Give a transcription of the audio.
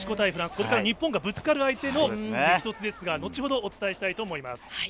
これから日本がぶつかる相手の激突ですが後ほどお伝えしたいと思います。